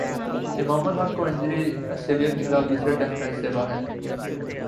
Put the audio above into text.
امام الحق کو انجری سٹریلیا کے خلاف دوسرے ٹیسٹ میچ سے باہر